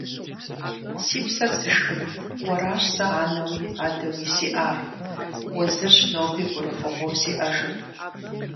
Си псэр зышхын, уэращ сэ анэуи адэуи сиӏар. Уэ зырщ ноби гурыфӏыгъуэу сиӏэжыр.